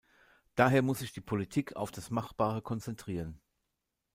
Daher muss sich die Politik auf das Machbare konzentrieren.